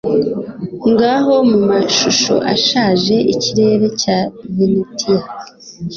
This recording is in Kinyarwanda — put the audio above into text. Ngaho mumashusho ashaje ikirere cya Venetiya